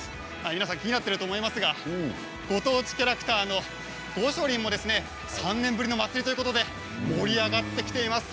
皆さん、気になっていると思いますが、ご当地キャラクターのごしょりんも３年ぶりの祭りということで盛り上がってきています。